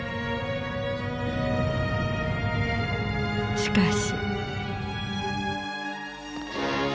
しかし。